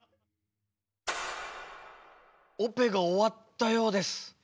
オペが終わったようです。